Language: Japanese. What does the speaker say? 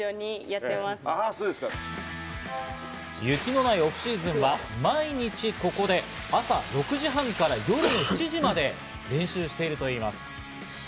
雪のないオフシーズンは毎日ここで、朝６時半から夜の７時まで練習しているといいます。